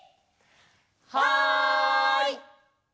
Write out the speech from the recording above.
はい！